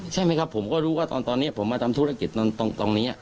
ใช่ไหมครับผมก็รู้ว่าตอนนี้ผมมาทำธุรกิจตรงนี้